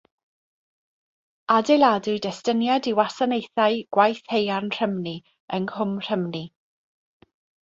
Adeiladwyd estyniad i wasanaethu gwaith haearn Rhymni yng Nghwm Rhymni.